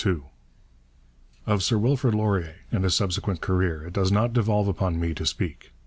Of Sir Wilfrid Laurier and his subsequent career it does not devolve upon me to speak.